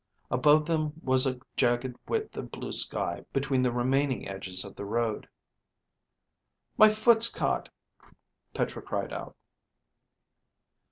Above them was a jagged width of blue sky between the remaining edges of the road. "My foot's caught," Petra cried out.